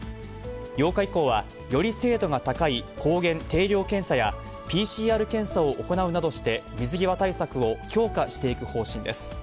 ８日以降は、より精度が高い抗原定量検査や、ＰＣＲ検査を行うなどして、水際対策を強化していく方針です。